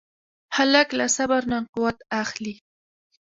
هلک له صبر نه قوت اخلي.